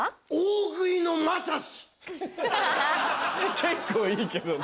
結構いいけどね。